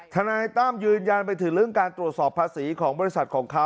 ทนายตั้มยืนยันไปถึงเรื่องการตรวจสอบภาษีของบริษัทของเขา